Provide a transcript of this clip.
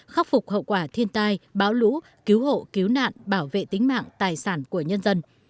khắc phục hậu quả thiên tai bão lũ cứu hộ cứu nạn bảo vệ tính mạng tài sản của nhân dân